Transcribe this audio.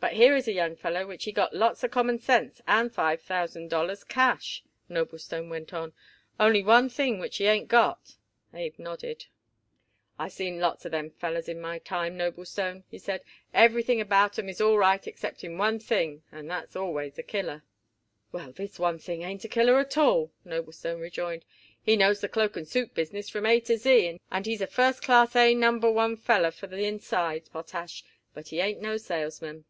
"But here is a young feller which he got lots of common sense and five thousand dollars cash," Noblestone went on. "Only one thing which he ain't got." Abe nodded. "I seen lots of them fellers in my time, Noblestone," he said. "Everything about 'em is all right excepting one thing and that's always a killer." "Well, this one thing ain't a killer at all," Noblestone rejoined, "he knows the cloak and suit business from A to Z, and he's a first class A number one feller for the inside, Potash, but he ain't no salesman."